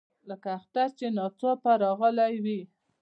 لکه اختر چې ناڅاپه راغلی وي.